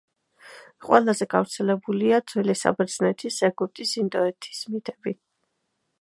ყველაზე გავრცელებულია ძველი საბერძნეთის, ეგვიპტის, ინდოეთის მითები.